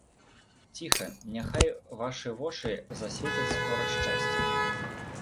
Ціха, няхай вашы вочы засвецяць скора шчасцем.